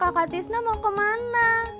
kakak tisna mau kemana